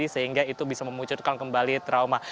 sehingga itu bisa memunculkan kembali trauma